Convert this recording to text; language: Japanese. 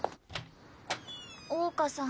桜花さん